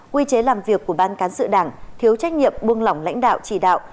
quy chế làm việc của ban cán sự đảng thiếu trách nhiệm buông lỏng lãnh đạo chỉ đạo